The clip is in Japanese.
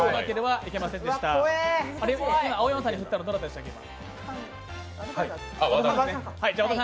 青山さんに振ったのどなたでしたっけ？